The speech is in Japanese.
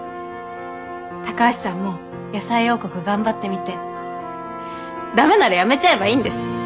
高橋さんも野菜王国頑張ってみて駄目ならやめちゃえばいいんです。